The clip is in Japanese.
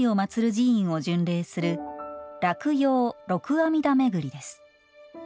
寺院を巡礼する「洛陽六阿弥陀巡り」です。